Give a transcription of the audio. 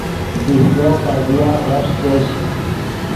بیہدو خدیا غیݰ چش